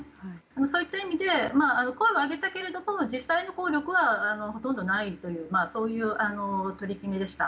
そういった意味で声を上げたけれど実際の効力はほとんどないというそういう取り組みでした。